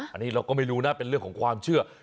อันนี้เราก็ไม่รู้นะเป็นเรื่องของความเชื่อ